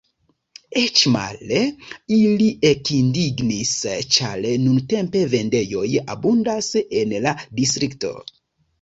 Eĉ male: ili ekindignis, ĉar nuntempe vendejoj abundas en la distrikto.